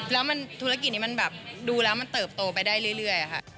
แล้วธุรกิจนี้มันแบบดูแล้วมันเติบโตไปได้เรื่อยค่ะ